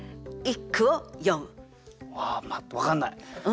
あ分かんない。